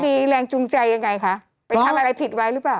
มีแรงจูงใจยังไงคะไปทำอะไรผิดไว้หรือเปล่า